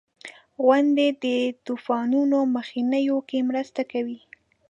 • غونډۍ د طوفانونو مخنیوي کې مرسته کوي.